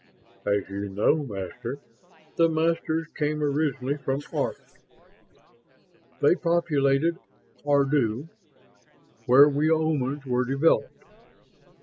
"As you know, Master, the Masters came originally from Arth. They populated Ardu, where we Omans were developed.